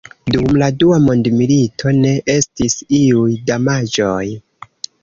Dum la Dua mondmilito ne estis iuj damaĝoj.